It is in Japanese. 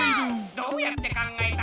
どうやって考えた？